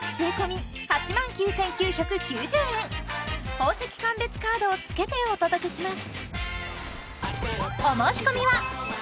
宝石鑑別カードをつけてお届けします